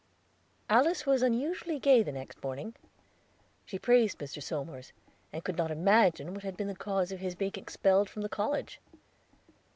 Alice was unusually gay the next morning. She praised Mr. Somers, and could not imagine what had been the cause of his being expelled from the college.